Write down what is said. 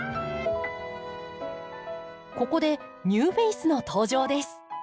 ここでニューフェースの登場です。